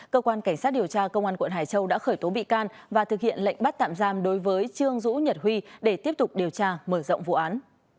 cơ quan cảnh sát điều tra công an quận hải châu đã khởi tố bị can và thực hiện lệnh bắt tạm giam đối với trương dũ nhật huy để tiếp tục điều tra mở rộng vụ án